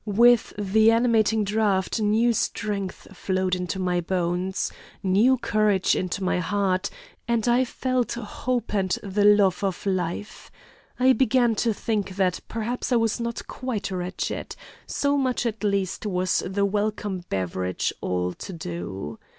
With the animating draught new strength flowed into my bones, new courage into my heart, and I felt hope and the love of life. I began to think that perhaps I was not quite wretched; so much at least was the welcome beverage all to do.